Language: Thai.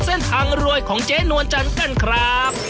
เส้นทางรวยของเจ๊นวลจันทร์กันครับ